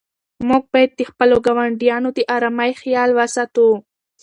موږ باید د خپلو ګاونډیانو د آرامۍ خیال وساتو.